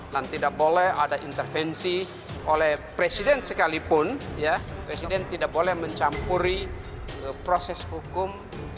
dan tidak boleh ada intervensi oleh presiden sekalipun ya presiden tidak boleh mencampuri proses hukum